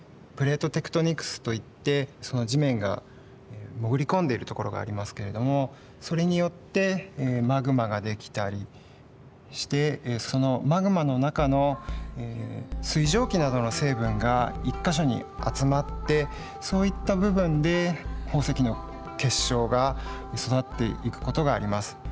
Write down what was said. プレートテクトニクスといって地面が潜り込んでいるところがありますけれどもそれによってマグマができたりしてそのマグマの中の水蒸気などの成分が１か所に集まってそういった部分で宝石の結晶が育っていくことがあります。